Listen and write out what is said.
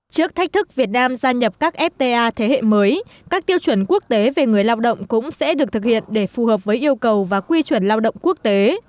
trước thách thức việt nam gia nhập các fta thế hệ mới các tiêu chuẩn quốc tế về người lao động cũng sẽ được thực hiện để phù hợp với yêu cầu và quy chuẩn lao động quốc tế